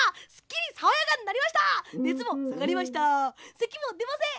せきもでません！